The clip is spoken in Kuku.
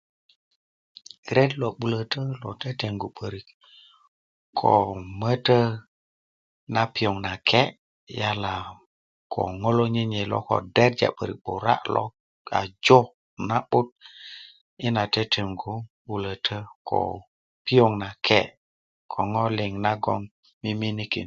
ret lo 'bulötö lo tetengu 'börik ko mötö na piöŋ nake yala ko lo nyönyöyi ko derja 'börik 'bura lo ko jo na'but yi na tetengu 'bulötö ko piöŋ nake ko ŋo liŋ nagon mimiinikin